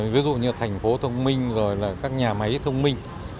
ví dụ như thành phố thông minh các nhà máy thông minh